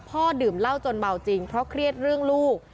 ดื่มเหล้าจนเมาจริงเพราะเครียดเรื่องลูก